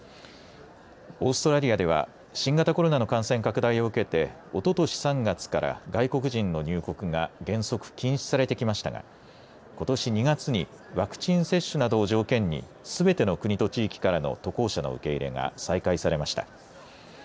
オーストラリアでは、新型コロナの感染拡大を受けて、おととし３月から外国人の入国が原則禁止されてきましたが、ことし２月にワクチン接種などを条件に、すべての国と地域からの渡航者の受け入れが再開されました。